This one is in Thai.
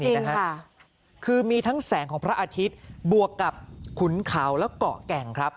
นี่นะฮะคือมีทั้งแสงของพระอาทิตย์บวกกับขุนเขาและเกาะแก่งครับ